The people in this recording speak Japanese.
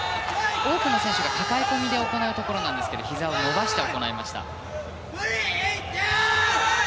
多くの選手がかかえ込みで行うんですがひざを伸ばして行いました。